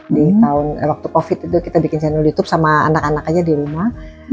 di tahun waktu covid itu kita bikin channel youtube sama anak anak aja di rumah